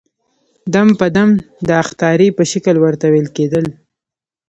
دم په دم د اخطارې په شکل ورته وويل کېدل.